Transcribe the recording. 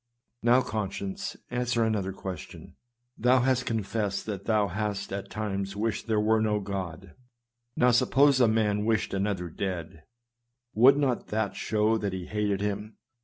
Now, conscience, answer another question ! Thou hast confessed that thou hast at times wished there were no God; now, suppose a man wished another dead, would not that show that he hated him